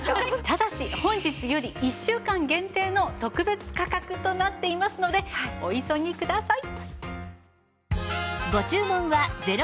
ただし本日より１週間限定の特別価格となっていますのでお急ぎください！